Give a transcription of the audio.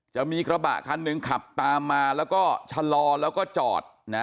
จะมีกระบะคันหนึ่งขับตามมาแล้วก็ชะลอแล้วก็จอดนะ